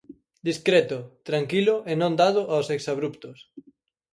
Discreto, tranquilo e non dado aos exabruptos.